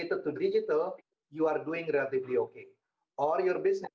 tetapi tidak dapat menghasilkan biaya pengembangan